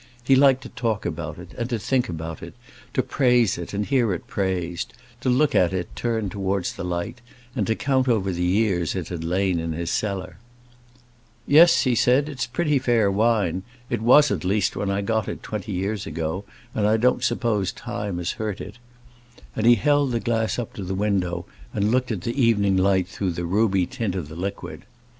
He liked to talk about it, and think about it; to praise it, and hear it praised; to look at it turned towards the light, and to count over the years it had lain in his cellar. "Yes," said he, "it's pretty fair wine. It was, at least, when I got it, twenty years ago, and I don't suppose time has hurt it;" and he held the glass up to the window, and looked at the evening light through the ruby tint of the liquid.